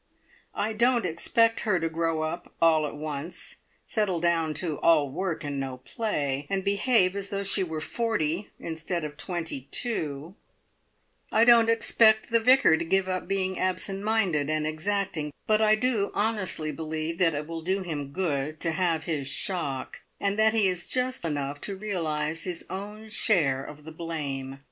I don't expect her to grow up all at once, settle down to all work and no play, and behave as though she were forty instead of twenty two; I don't expect the Vicar to give up being absent minded and exacting; but I do honestly believe that it will do him good to have his shock, and that he is just enough to realise his own share of the blame.